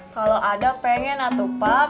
kalau ada pengen atuh pak